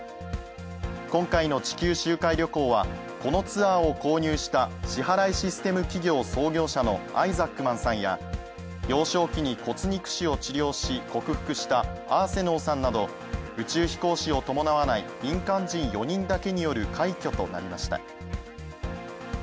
今回の地球周回旅行はこのツアーを購入した支払いシステム企業創業者のアイザックマンさんや幼少期に骨肉腫を治療し、克服したアーセノーさんなど宇宙飛行士を伴わない民間人４人だけによる快挙となりました。